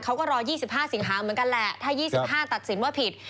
เขาก็รอ๒๕สิงหาเหมือนกันแหละถ้า๒๕ตัดสินว่าผิด